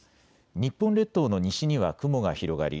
日本列島の西には雲が広がり